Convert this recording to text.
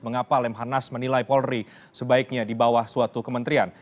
mengapa lemhanas menilai polri sebaiknya di bawah suatu kementerian